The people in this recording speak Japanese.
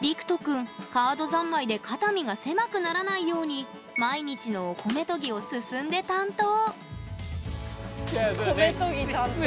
りくとくんカード三昧で肩身が狭くならないように毎日のお米とぎを進んで担当米とぎ担当。